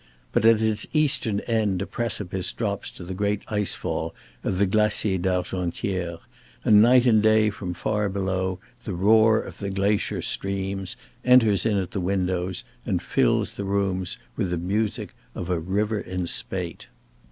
But at its eastern end a precipice drops to the great ice fall of the Glacier d'Argentière, and night and day from far below the roar of the glacier streams enters in at the windows and fills the rooms with the music of a river in spate.